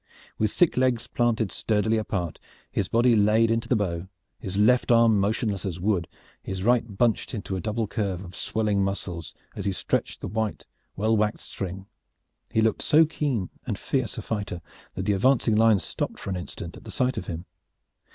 With thick legs planted sturdily apart, his body laid to the bow, his left arm motionless as wood, his right bunched into a double curve of swelling muscles as he stretched the white well waxed string, he looked so keen and fierce a fighter that the advancing line stopped for an instant at the sight of him.